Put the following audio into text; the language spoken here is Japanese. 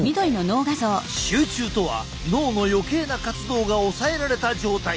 集中とは脳の余計な活動が抑えられた状態。